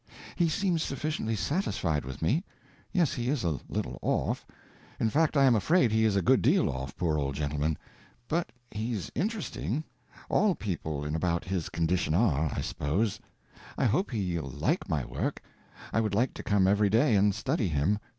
He seems sufficiently satisfied with me. Yes, he is a little off; in fact I am afraid he is a good deal off, poor old gentleman. But he's interesting—all people in about his condition are, I suppose. I hope he'll like my work; I would like to come every day and study him.